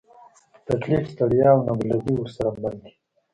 تکلیف، ستړیا، او نابلدي ورسره مل دي.